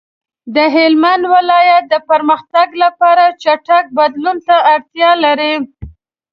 د هلمند ولایت د پرمختګ لپاره چټک بدلون ته اړتیا لري.